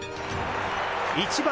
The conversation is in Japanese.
１番